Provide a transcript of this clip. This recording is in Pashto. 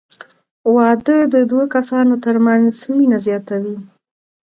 • واده د دوه کسانو تر منځ مینه زیاتوي.